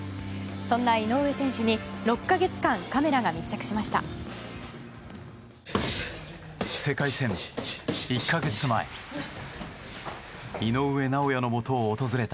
そんな井上選手に６か月間カメラが密着しました。